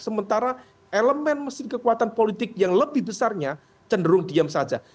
sementara elemen mesin kekuatan politik yang lebih besarnya cenderung diam saja